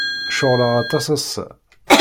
Ceɣleɣ aṭas ass-a.